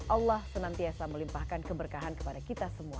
allah senantiasa melimpahkan keberkahan kepada kita semua